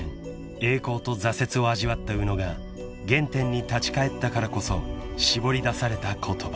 栄光と挫折を味わった宇野が原点に立ち返ったからこそ絞りだされた言葉］